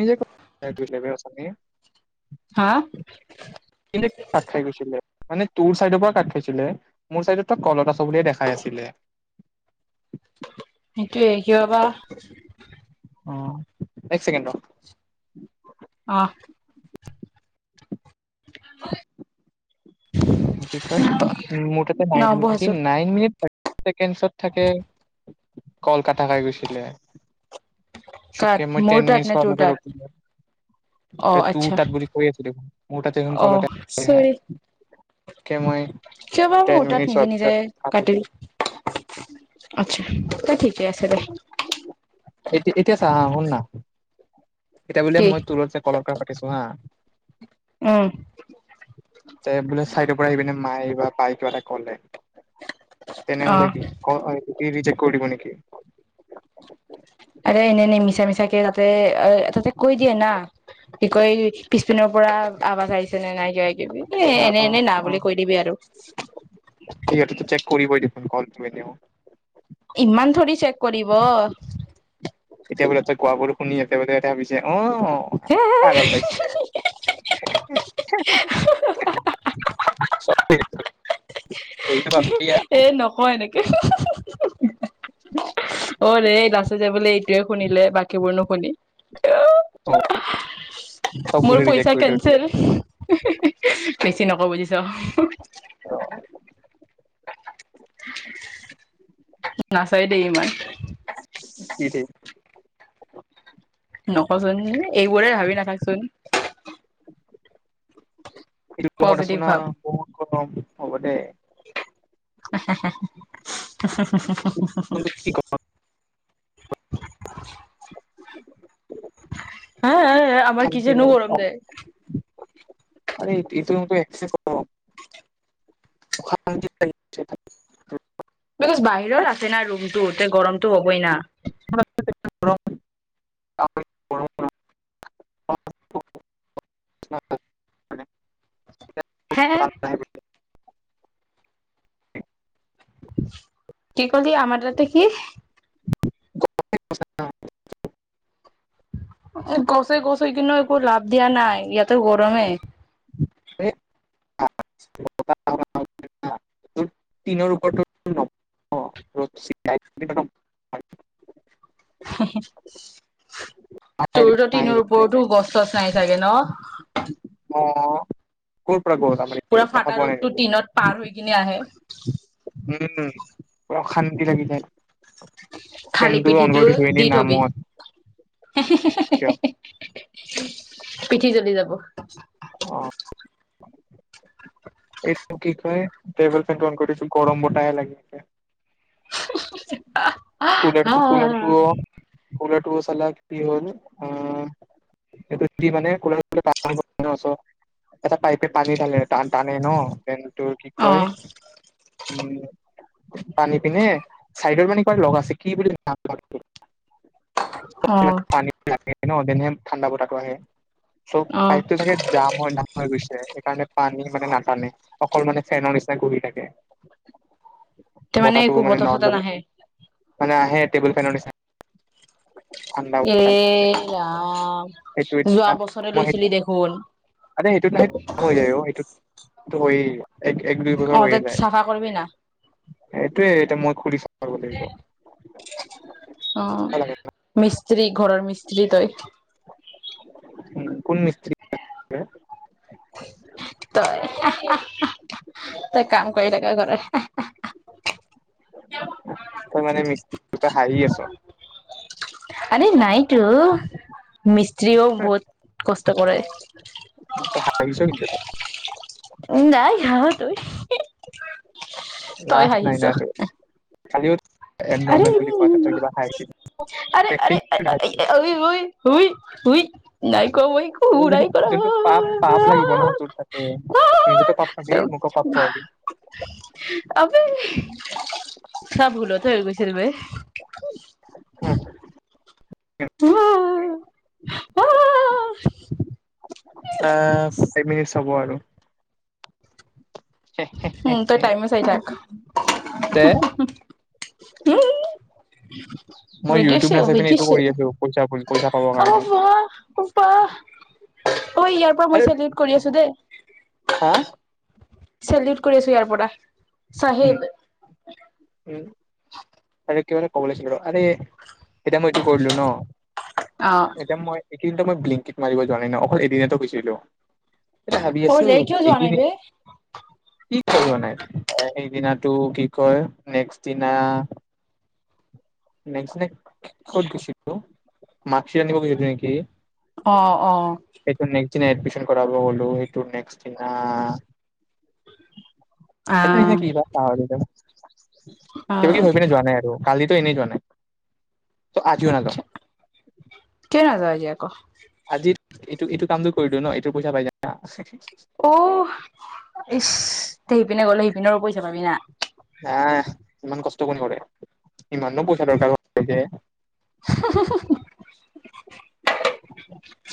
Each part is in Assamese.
নিজকে উচুনি। হা এনেই কাট খাই গৈছিলে। মানে তোৰ চাইডৰ পৰা কাট খাইছিলে মোৰ চাইডতটো কলত আছ বুলিয়ে দেখাই আছিলে। তে কিয় বা। [unintelligible] অ এক চেকেণ্ড। অহ। কি কয় মোৰ তাতে ন নাইন মিনিট। ছেকেণ্ডছত থাকে। কল কাটা খাই গৈছিলে চটকে, কাত মই মোৰ টেন তাত মিনিটছ নে হোৱাৰ তোৰ আগতেই তাত ৰাখি দিলোঁ। অ আৰে, তোৰ আচ্ছা তাত বুলি কৈ আছে দেখোন। মোৰ তাতে দেখোন, অ কলতেই দেখাই কিয়বা মোৰ তাত নিজে হোৱাৰ নিজে পিছত কাটি কাটিল। দিলো আচ্ছা, তে, ঠিকে আছে দে। আ এতিয়া বোলে, কি মই তোৰ লগত যে কলৰ পৰা পাতিছোঁ হা উম যে বোলে, চাইডৰ পৰা আহি পিনে, মায়ে বা বায়ে, কিবা এটা ক'লে অ তেনেহ'লে, কি কল, কি, ৰিজেক্ট কৰি দিব নেকি? আৰে, এনে-এনে, মিছা-মিছাকে, তাতে, আ, তাতে কৈ দিয়ে না, কি কয়, পিছপিনৰ পৰা আৱাজ আহিছে নে নাই। এ, অ', অ', এনে-এনে ন অ', বুলি কৈ দিবি, আৰু তুমি এতিয়া মোক ইমান ধৰি চেক কৰিব এতিয়া বোলে, তই কোৱাবোৰো শুনি, একেবাৰে সিহঁতে ভাবিছে, অ' অ', পাগল পাইছে চব কৰিচাবাগে। এ, নকয় এনেকে। অৰে কৈছে বোলে, এইটোয়েই শুনিলে। বাকীবোৰ নুশুনি অ চব বোলে মোৰ ৰিজেক্ট পইচা কৰি থৈ দিলে কেনচেল বেছি নকওঁ বুজিছ [inaudible] নাচায় দেই, ইমান কি ঠিক নফচ [unintelligible] এইবোৰেই ভাবি নাথাকচোন [inaudible] পজিটিভ ভাব [unintelligible] হ'ব দে [unintelligible] কিন্তু কি কম [inaudible] হা, আ, আ আমাৰ অশান্তি কিচেনো লাগি গৰম দে আৰে, এইটো, এইটো ৰুমটো এক্সেছ গৰম অশান্তি লাগি গৈছে গৰমতো হবই না [unintelligible] হে কি কলি আমাৰ ৰাতে কি [inaudible] কছোই কছেই কিন্তু একো লাভ দিয়া নাই ইয়াতে গৰমে [inaudible] নৰ ওপৰতো অ [inaudible] হহ [inaudible] তোৰ ত টিনৰ ওপৰতো গছ চচ নাই চাগে ন অ পুৰা ফাটা ৰদটো নেকি টিনত পাৰ হৈ কিনে আহে উম অশান্তি লাগি যায় খালি ফেনটো অন পিঠিটো কৰি দিছো এনেই নামৰ হ [inaudible] পিঠি জ্বলি যাব অ এইটো কি কয় টেবুল ফেন কৰিছো গৰম বতাহে লাগি আছে হা কুলাৰটো কুলাৰটো অ কুলাৰটো চালা, কি হ'ল? আ, এইটো কি, মানে কুলাৰটো [unintelligible] পানী ভৰাই ন', চ'। এটা পাইপে পানী তালে টান তানে ন' দেন, তোৰ কি অ কয়? উম, পানী পিনে চাইডৰ, মানে কিবা লক আছে কি বুলি [unintelligible] [inaudible] অ ন', [unintelligible] ঠাণ্ডা বতাহটো আহে চব অ পাইপটো চাগে জাম হয়, নাম হৈ গৈছে সেইকাৰণে পান মানে, নাটানে অকল মানে ফেনৰ নিচিনা ঘৰি থাকে তাৰ বতাহটো একো মানে বতাহ ন চতাহ নাহে মানে আহে টেবুল ফেনৰ নিচ এৰা সেইটো যোৱা এতিয়া বছৰে মই সেই লৈছিলি দেখোন। ধই অতে চাফা কৰবি ন? সেইটোয়ে এতিয়া মই খুুলিছো অ'। লাগিব মিষ্ট্ৰি ঘৰৰ মিস্ত্ৰী তই। উ, কোন? [unintelligible] তই, তই কাম কৰি থাক ঘৰৰ। তই মান মিক [unintelligible] হাহী আছো। আৰে নাইতো, মিস্ত্ৰ্ৰীও বহুত কষ্ট কৰে তই হাঁহিছ কিন্তু নাই হ ত তই, লাজ নাই হাহিছ। না তোৰ [inaudible] আৰে, এবনৰ্মেল বুলি কোৱা তাতে কিবা খাইছিল আৰে, আৰে, অ, [unintelligible] উই নাই কোৱা ম‍ই‌ যোনটো কিকৰা যোনটো পাপ পাপ লাগিব না তোৰ তাতে নিজেতো পাপ খাবি মোকো পাপ খোৱাবি আ [unintelligible] ভুলত হৈ গৈছে। হেল [inaudible] [inaudible] [inaudible] [inaudible] আ মিনি চাব আৰু উম, তই টাইমে চাই থাক। তে অ অ [unintelligible] মই ইউটিউব বুজিছো নাচাই পিনে, এইটো বুজিছো কৰি আছো পইচা পইচা পাবৰ অ কাৰণে। বাহ অ, ইয়াৰ পৰা মই আৰে চেলিউট কৰি আছো দেই। হা চেলিউট কৰি আছো ইয়াৰ পৰা। উম চাহেব। উম আৰু কিবা এটা কব উলাইছোঁ আৰে- এতিয়া মই এইটো কৰিলো ন, অ এতিয়া মইটো মই বিলিংকিটত মাৰিব যোৱা নাই ন, অকল এদিনতে গৈছিলো। এতিয়া ভাবি অ আছো, ৰে কিয় যোৱা এইদিন নাই বে কি কৰিব নাই সেইদিনাটো, কি কয় নেক্স দিনা নক্ দিনা কত গৈছিলো মাক্ আনিব গুছিলো নেকি। অ, অ। সেইটো নেক্সট এডমিশন কৰাব গলো, এইটো নেক্সদিনা সেইটো আহ কিবা পা [inaudible] অ কিবাকিবি হৈ পিনে যোৱা নাই আৰু, কালী ত‌ই এনেই জোৱা নাই, ত‌ই আজিও নাজাও। নাযাও এতিয়া আকৌ আজি এইটো এইটো কামটোৰ কৰি দিও ন এইটো পইচা পাই যাম অ ইচ সিপিনে গল সেইপিনে পইচা পাবি না হা ইমান কষ্ট কৰিব পাৰে ইমানো পইচা দৰকাৰ যে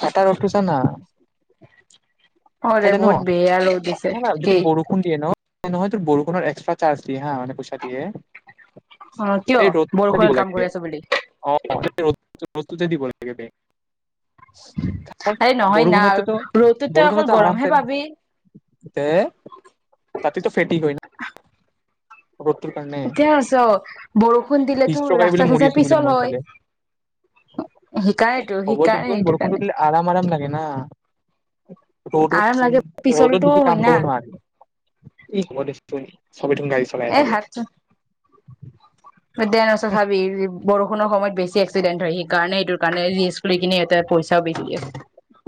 চাটাৰ ৰ'দটো ছা না অ দে বহুত বেয়া লৈ দিছে যদি কি বৰষুণ দিয়ে ন নহয় বৰষুণৰ এক্সট্ৰা চাৰ্জ হা মানে পইচা দিয়ে অ কিয় এই ৰ'দ দিব বৰষুণত কাম লাগে কৰি আছ বুলি অ ৰ প্ৰস্তুতে দিব লাগে বেং তপ আৰে নহয় না বৰষুণত ৰ'দত তই অকল বৰষুণত গৰমহে আৰামচে পাবি তে তাতেটো ফেটি গ ন ৰ'দটোৰ কাৰণে এতিয়া আছ [unintelligible] [unintelligible] বৰষুণ দিলে হিষ্ট্ৰ তোৰ খাই বোলে ৰাস্তা মৰি চচ্তা আছো বোলে পিছল মই হয় ইফালে শিকায়টো শিকায় সেইটো কাৰণে এ না আৰাম ৰ'দত লাগে ৰ'দত পিছলটো বেছি হয় কাম না কৰিব নোৱি হয় চবথন গাডী চলাই এ থাকে মধ্যয়ান চাবি বৰ সময়ত বেছি এক্সিডেণ্ট হয় সেইকাৰণে এইটো কাৰণেি্ কিনে এতে পইচাও বিি দিয়ে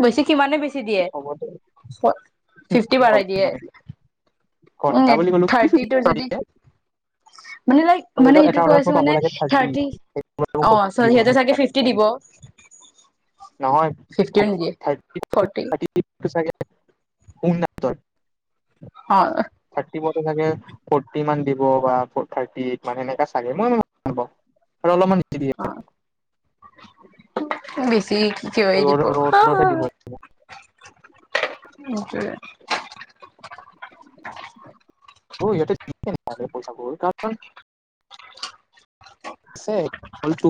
বেছ কিমানে বেছি দিয়ে হ'ব দে ফিফটি অলপ পাৰাই দিয়ে মানে ঘন্টা বুলি ক'লো কি এটা অৰ্ডাৰত [unintelligible] মই পাব লাগে থাৰ্টি দিব সেনেকুৱা টাইপ লাগে উ নহয় থ ফৰ্টি চাগে উনৰ অ থাৰ্টাগে ফৰ্টি মান দিব বা ফ থাৰ্ি এইট মানে এনেককা চাগে মই অ আৰু অলপমান বেছি দিয়ে অ বেছি ক ৰ'দ দিব ৰ'দতে দিব সটে [unintelligible] অ ইটো ঠিকে ন পইচা কাৰণ [unintelligible] ডড টো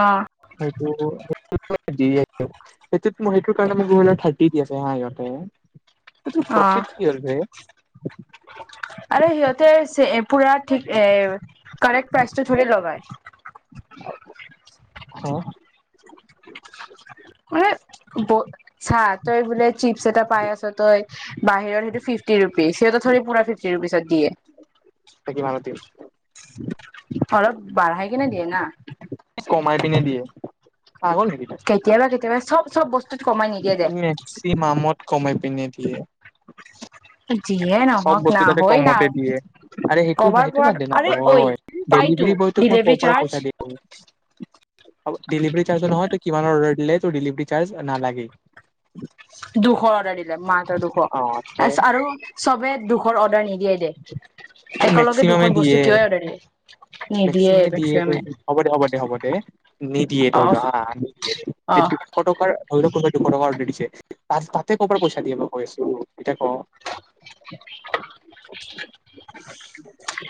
অ এটো মইেইটো কাৰণে ম গহণা থাকি কি আছে আহ ইতে ত অ প্ৰফিট কি হল ভ আৰু সিহঁতে পুৰা ঠিক এ কাৰেক্ট প্ৰাইচটো ধৰি লগাই হা মানে ব ছা তই বলে চিপছ এটা পাইছ তই বাহিৰত সেইটো ফিফটি ৰুপিজ সেই ধ পুৰা ফিফটি ৰুপিজত দিয়ে চাকিমান মতি অলপ বাঢ়াই কিনে দিয়ে না কমাই পিনে দিয়ে পাগল নেকি তই কেতিয়াবা কেতিয়াবা চব চব বসু মেক্সিমামত কমাই [inaudible] যিয়ে চব নহওক বস্তু না তাতেই হয় না কমতে দিয়ে, [unintelligible] টো কবাৰ পৰা আৰে ঐ পাইতো ডেলিভাৰী চাৰ্জ ডিলিভৰি চাৰ্জ নালাগে। দুশ অৰ্ডাৰ দিলে মাহৰ দুশ অ ত আৰু চবে দুখৰ অৰ্ডাৰ নিকি মেক্সিমামে বস্তু দিয়ে কিয় অৰ্ডাৰ দিয়ে মেক্সিমামে দিয়ে হ'ব দে হ'ব দে হ'ব দে নিদিয়ে অ ধৰি লোৱা আহ নিদিয়ে দে অ দুশ টকাৰ কা অৰ্ড দিছে ত তাতে ক'ৰ পৰা পইচা দিয়া বা কৈ আছো এতিয়া ক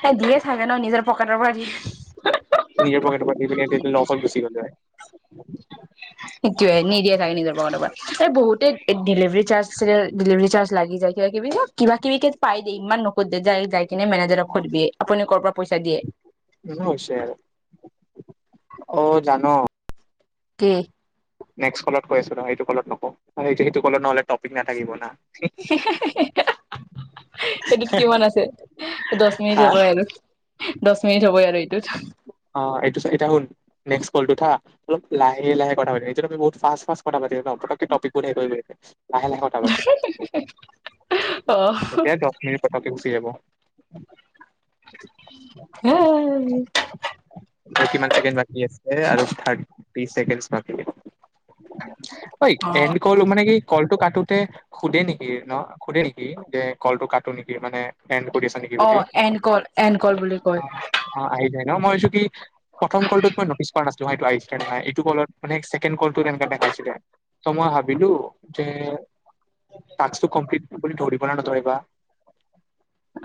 এই দুয়ে চাগে ন নিজৰ পকাৰৰ পাৰি নিজৰ পকেট পাতি প ন চল গুচি গ'লে সেইটোোৱয়ে নিদিয়ে থাগে নিজৰ প্ৰৰ পৰা এই বহুতে ডেলিভাৰী চাৰ্জ ডেলিভাৰী চাৰ্জ লাগি যায় কিবা কিবি কিবা কিবি পাই দে ইমান নোুধে য যাই কিনে মেনেজাৰক সোধিবিয়েপুনি কৰ পৰা পইচা দিয়ে হৈছে জানো? কি? ক কৈ আছো ন সটো ক নক সেইটো ক নহলে টপিক নাথাকিব না [inaudible] সেইটোত কিমান আছে দহ হা মিনিটৰ পৰা আৰু? দশমিন হ ই আৰু এইটোত অ' এইটো এ হুন নেক্ কলা অলপ লাহে লাহে কথা পাতিটো লাহে লাহে কটাবাতি অ এতিয়া দহ মিনিট পটকে গুচি যাব উ হ আৰু কিমানে বাকী আছে আৰু থাৰ্টি অ এড কল মানে কি কল কাটোতে সোধে নেকি ন সোধে নেকি যে কলটো কাটো নেকি মানে এণ্ড কৰি আছা নেকি অ বুলি এনকল এনকল বুলি কয় এ মই ভাবিছো কি প্ৰথম কলটোত মই নটিছ কৰা নাছিলো তোমাৰ এইটো আহিছে নে নাই এইটো কলত মানে ছেকেণ্ডত কলত টোত এনেকে দেখাইছিলে মই ভাবিলো যে টাক্ট্ৰটো কমপিলিত বুলি ধৰিবনে নধৰে বা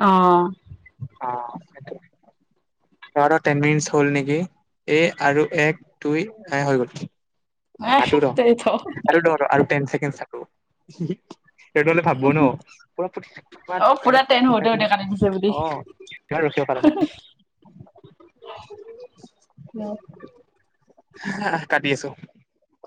আহ। ই টেন মিনিটছ হল নেকি এ আৰু এক দুই এ হৈ গ'ল এ কাটো তেই থ ৰহ আৰু আৰু ৰহ টেন ছেকেণ্ডত চাওঁ [inaudible] সেইটো হলে ভাবো ন পোৰা অ পুৰা টেন কাৰেক্ট হওঁতে হওঁতে কাটো কাটি দিছে বুলি। অ উম হ কাটি আছো